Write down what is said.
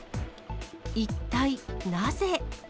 一体なぜ？